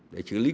để xử lý